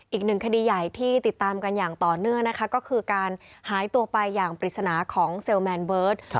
อีกหนึ่งคดีใหญ่ที่ติดตามกันอย่างต่อเนื่องนะคะก็คือการหายตัวไปอย่างปริศนาของเซลแมนเบิร์ต